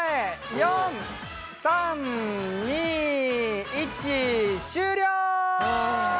４３２１終了。